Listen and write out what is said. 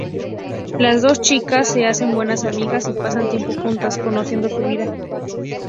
Las dos chicas se hacen buenas amigas y pasan tiempo juntas, conociendo su vida.